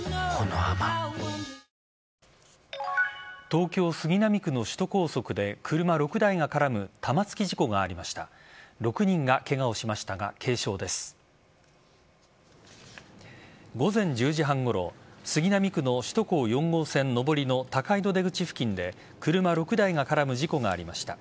東京・杉並区の首都高速で車６台が絡む玉突き事故がありました。